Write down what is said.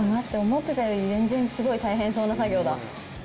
思ってたより全然すごい大変そうな作業だ。